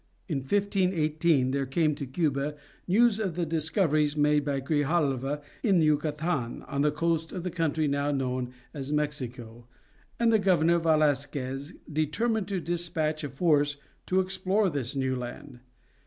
In 1518 there came to Cuba news of the discoveries made by Grijalva in Yucatan on the coast of the country now known as Mexico, and the Governor, Velasquez, determined to despatch a force to explore this new land.